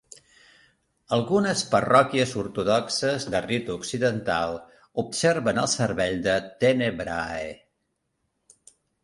Algunes parròquies ortodoxes de ritu occidental observen el servei de Tenebrae.